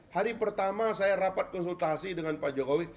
hari pertama saya rapat konsultasi dengan pak jokowi